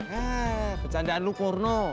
heeeh percandaan lu porno